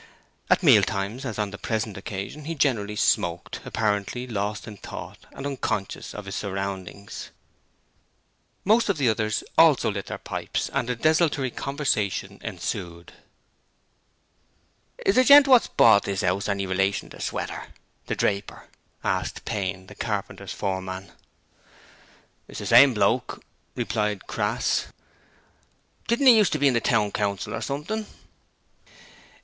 At meal times, as on the present occasion, he generally smoked, apparently lost in thought and unconscious of his surroundings. Most of the others also lit their pipes and a desultory conversation ensued. 'Is the gent what's bought this 'ouse any relation to Sweater the draper?' asked Payne, the carpenter's foreman. 'It's the same bloke,' replied Crass. 'Didn't he used to be on the Town Council or something?'